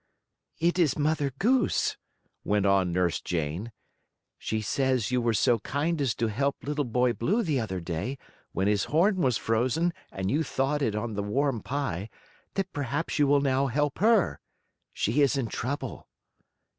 "It is Mother Goose," went on Nurse Jane. "She says you were so kind as to help Little Boy Blue the other day, when his horn was frozen, and you thawed it on the warm pie, that perhaps you will now help her. She is in trouble."